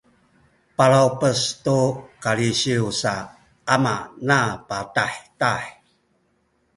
palawpes tu kalisiw sa amana patahtah